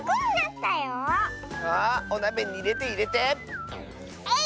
あおなべにいれていれて！えいっ！